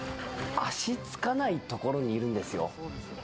足がつかないところにいるんですよ。